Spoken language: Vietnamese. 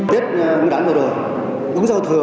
tiết cũng đắn rồi rồi cũng giao thừa